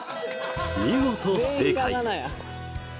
見事正解！